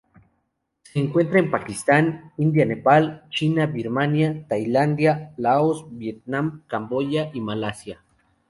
Se encuentra en Pakistán, India Nepal, China Birmania, Tailandia, Laos, Vietnam Camboya y Malasia.